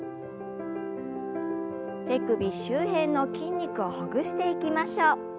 手首周辺の筋肉をほぐしていきましょう。